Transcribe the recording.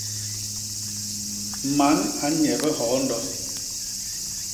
Man a nnye bihoondo.